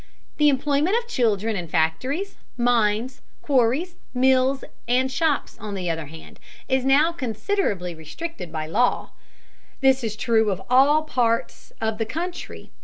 The employment of children in factories, mines, quarries, mills, and shops, on the other hand, is now considerably restricted by law. This is true of all parts of the country.